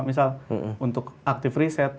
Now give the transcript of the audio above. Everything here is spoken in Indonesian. misal untuk aktif riset